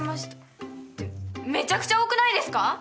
めちゃくちゃ多くないですか？